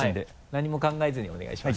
何も考えずにお願いします。